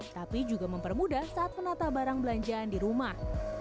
tapi juga mempermudah saat menata barang belanjaan di rumah